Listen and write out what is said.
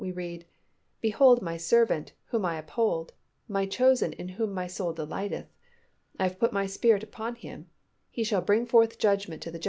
we read, "Behold My servant, whom I uphold; My chosen in whom My soul delighteth; I have put My Spirit upon Him; He shall bring forth judgment to the Gentiles, etc."